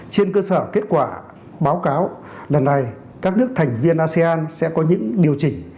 trên cơ sở kết quả báo cáo lần này các nước thành viên asean sẽ có những điều chỉnh